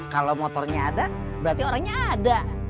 kalau motornya ada berarti orangnya ada